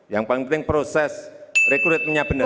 yang paling penting proses rekrutmennya benar